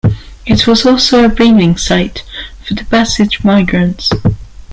It is also a breeding site for the passage migrants.